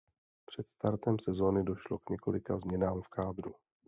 Před startem sezony došlo k několika změnám v kádru.